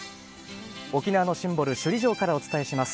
沖縄のシンボル、首里城からお伝えします。